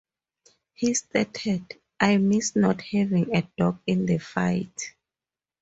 He stated, I miss not having a dog in the fight.